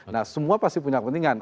nah semua pasti punya kepentingan